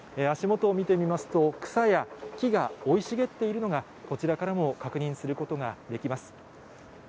足元を見てみますと、草や木が生い茂っているのがこちらからも確認することができます。